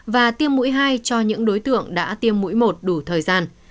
và tiêm mũi hai cho những đối tượng đã tiêm mũi một đủ thời gian